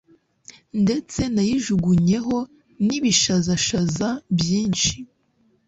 ndetse nayijugunyeho n'ibishazashaza byinshi